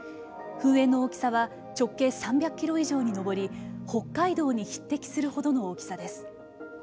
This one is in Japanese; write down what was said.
噴煙の大きさは直径３００キロ以上に上り北海道に匹敵するほどの大きさです。